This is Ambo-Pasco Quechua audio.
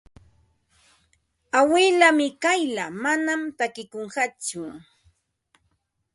Awilaa Mikayla manam takikunqatsu.